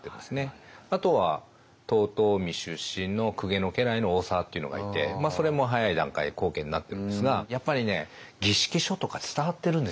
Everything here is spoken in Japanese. あとは遠江出身の公家の家来の大沢っていうのがいてそれも早い段階で高家になってるんですがやっぱりね儀式書とか伝わってるんですよ。